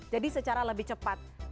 jadi secara lebih cepat